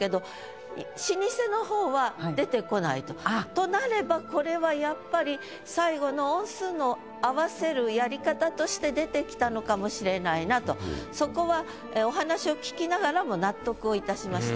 となればこれはやっぱりとして出てきたのかもしれないなとそこはお話を聞きながらも納得をいたしました。